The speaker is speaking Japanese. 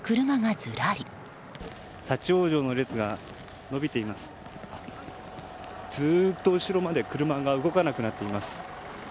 ずっと後ろまで車が動かなくなっています。